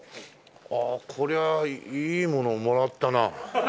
ああこりゃいいものをもらったな。